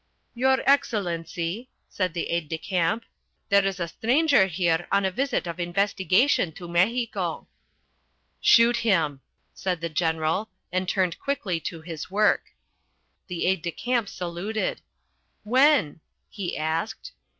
"Your Excellency," said the aide de camp, "there is a stranger here on a visit of investigation to Mexico." "Shoot him!" said the General, and turned quickly to his work. The aide de camp saluted. "When?" he asked.